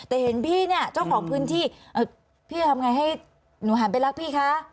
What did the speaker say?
แต่เห็นพี่เนี่ยเจ้าของพื้นที่พี่จะทำไงให้หนูหันไปรักพี่คะ